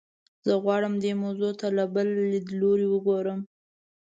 زه غواړم دې موضوع ته له بل لیدلوري وګورم.